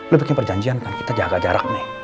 lo bikin perjanjian kan kita jaga jarak nih